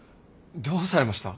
どうされました？